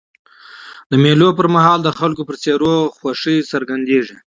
د مېلو پر مهال د خلکو پر څېرو خوښي څرګندېږي.